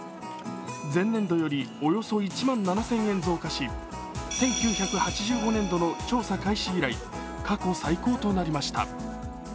前年度よりおよそ１万７０００円増加し１９８５年度の調査開始以来過去最高となりました。